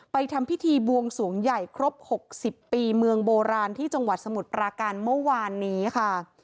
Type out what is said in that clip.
ทำพิธีบวงสวงใหญ่ครบ๖๐ปีเมืองโบราณที่จังหวัดสมุทรปราการเมื่อวานนี้ค่ะ